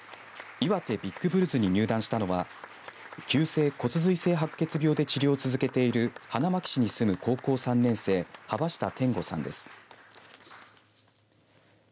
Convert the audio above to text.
岩手ビッグブルズに入団したのは急性骨髄性白血病で治療を続けている花巻市に住む高校３年生幅下天悟さんです。